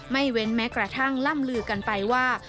เว้นแม้กระทั่งล่ำลือกันไปว่า